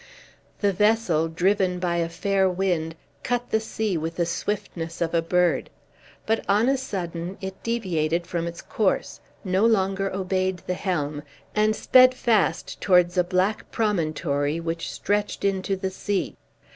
The vessel, driven by a fair wind, cut the sea with the swiftness of a bird; but on a sudden it deviated from its course, no longer obeyed the helm, and sped fast towards a black promontory which stretched into the sea.